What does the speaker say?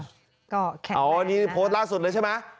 ก็แข็งแรงนะครับอ๋อนี่โพสต์ล่าสุดเลยใช่ไหม